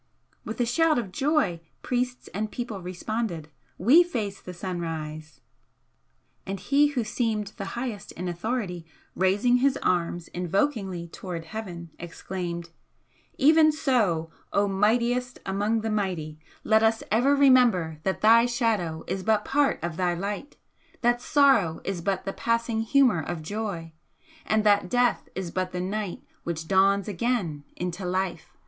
With a shout of joy priests and people responded: "We face the Sunrise!" And he who seemed the highest in authority, raising his arms invokingly towards heaven, exclaimed: "Even so, O Mightiest among the Mighty, let us ever remember that Thy Shadow is but part of Thy Light, that Sorrow is but the passing humour of Joy and that Death is but the night which dawns again into Life!